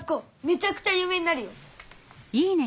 めちゃくちゃゆう名になるよ！